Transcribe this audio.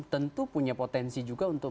tentu punya potensi juga untuk